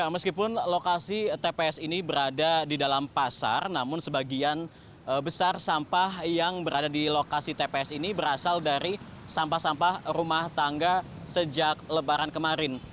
meskipun lokasi tps ini berada di dalam pasar namun sebagian besar sampah yang berada di lokasi tps ini berasal dari sampah sampah rumah tangga sejak lebaran kemarin